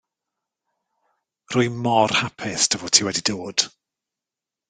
Rwy mor hapus dy fod ti wedi dod.